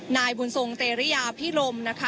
นายบุญทรงเตรียพิรมนะคะ